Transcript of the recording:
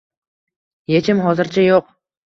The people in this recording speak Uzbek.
Yechim hozircha yoʻq.